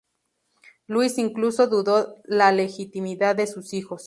Luis incluso dudó la legitimidad de sus hijos.